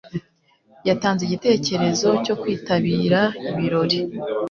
Yatanze igitekerezo cyo kwitabira ibirori.